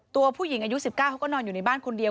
ตัวผู้หญิงอายุ๑๙เขาก็นอนอยู่ในบ้านคนเดียว